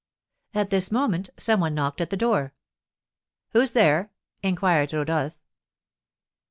At this moment some one knocked at the door. "Who's there?" inquired Rodolph.